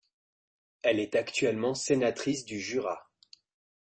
Elle est actuellement sénatrice du Jura.